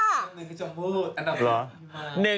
๑คือจมูทอันดับ๒พี่มาย